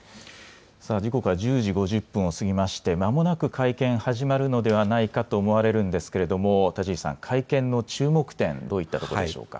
さあ、時刻は１０時５０分を過ぎまして、まもなく会見始まるのではないかと思われるんですけれども、田尻さん、会見の注目点、どういったところでしょうか。